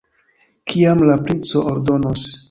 Kiam la princo ordonos.